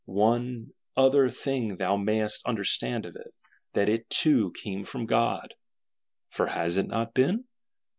One other thing thou mayest understand of it: that it too came from God; for has it not _been?